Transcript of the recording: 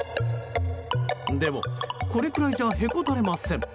でも、これくらいじゃへこたれません。